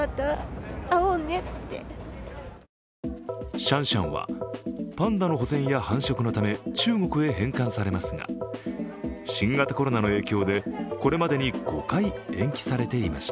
シャンシャンはパンダの保全や繁殖のため中国へ返還されますが、新型コロナの影響でこれまでに５回延期されていました。